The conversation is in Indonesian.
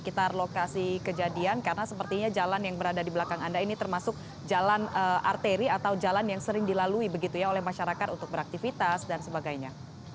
di sekitar lokasi kejadian karena sepertinya jalan yang berada di belakang anda ini termasuk jalan arteri atau jalan yang sering dilalui begitu ya oleh masyarakat untuk beraktivitas dan sebagainya